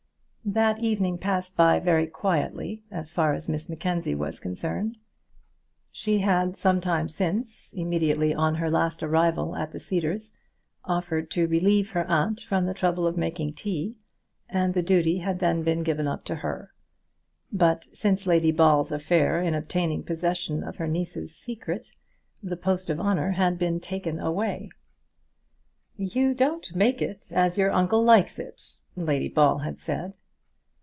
That evening passed by very quietly as far as Miss Mackenzie was concerned. She had some time since, immediately on her last arrival at the Cedars, offered to relieve her aunt from the trouble of making tea, and the duty had then been given up to her. But since Lady Ball's affair in obtaining possession of her niece's secret, the post of honour had been taken away. "You don't make it as your uncle likes it," Lady Ball had said.